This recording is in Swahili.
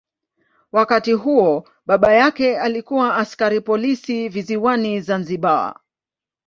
Wakati huo baba yake alikuwa askari polisi visiwani Zanzibar.